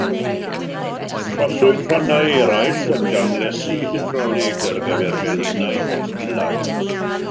Troswyd rhannau eraill yn gamlesi hydrolig ar gyfer melinau tecstilau.